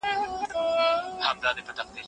تلویزیون د پېښو تصویرونه په ژوندۍ بڼه ښیي.